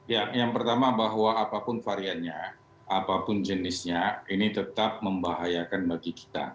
ya yang pertama bahwa apapun variannya apapun jenisnya ini tetap membahayakan bagi kita